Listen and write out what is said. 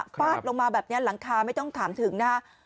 ฟาดลงมาแบบนี้หลังคาไม่ต้องถามถึงนะฮะ